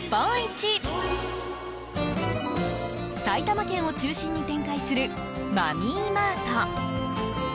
埼玉県を中心に展開するマミーマート。